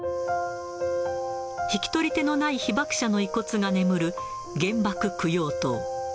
引き取り手のない被爆者の遺骨が眠る、原爆供養塔。